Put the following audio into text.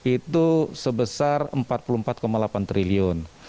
itu sebesar rp empat puluh empat delapan triliun